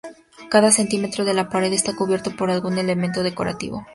Cada centímetro de la pared está cubierto por algún elemento decorativo.